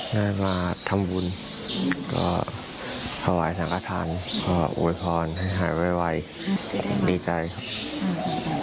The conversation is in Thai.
ได้มาทำบุญก็ภาวะสังฆราชันภาวะอวยพรให้หายไวดีใจครับ